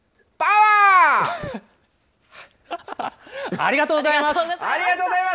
ありがとうございます！